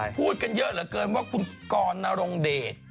พูดกันเยอะเหลือเกินว่าคุณกรนรงเดช